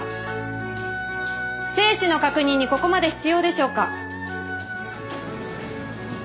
生死の確認にここまで必要でしょうか。